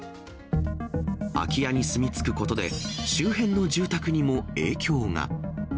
空き家に住み着くことで、周辺の住宅にも影響が。